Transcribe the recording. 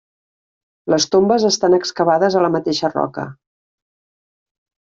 Les tombes estan excavades a la mateixa roca.